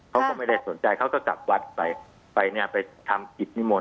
เขาก็ไม่ได้สนใจเขาก็กลับวัดไปไปเนี่ยไปทำกิจนิมนต